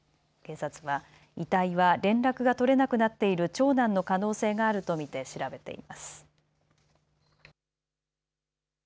警察は遺体は連絡が取れなくなっている長男の可能性があると見て調べています。